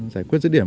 giải quyết dữ điểm